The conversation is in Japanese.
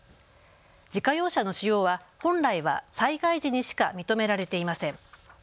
自家用車の使用は本来は災害時にしか認められていません。